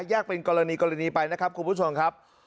แยกเป็นกรณีไปนะครับคุณผู้ชมครับ